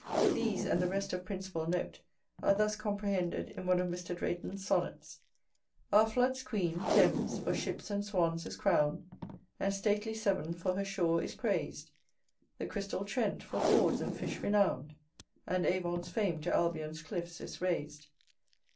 These, and the rest of principal note, are thus comprehended in one of Mr. Drayton's Sonnets: Our floods' queen, Thames, for ships and swans is crown'd And stately Severn for her shore is prais'd; The crystal Trent, for fords and fish renown'd; And Avon's fame to Albion's cliffs is rais'd.